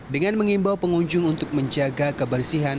dengan mengimbau pengunjung untuk menjaga kebersihan